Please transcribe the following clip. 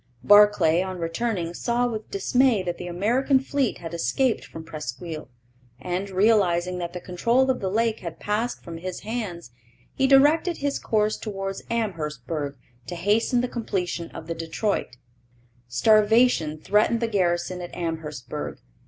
Barclay, on returning, saw with dismay that the American fleet had escaped from Presqu'isle, and, realizing that the control of the lake had passed from his hands, he directed his course towards Amherstburg to hasten the completion of the Detroit. Starvation threatened the garrison at Amherstburg.